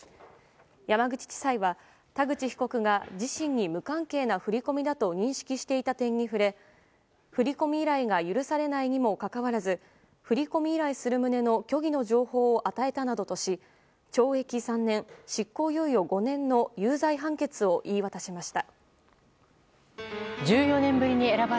山口地裁は田口被告が自身に無関係な振り込みだと認識していた点に触れ振り込み依頼が許されないにもかかわらず振り込み依頼する旨の虚偽の情報を与えたなどとし懲役３年、執行猶予５年の有罪判決を言い渡しました。